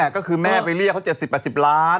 ก็คือแม่ไปเรียกเขา๗๐๘๐ล้าน